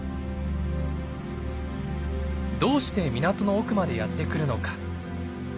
どうして港の奥までやって来るのか。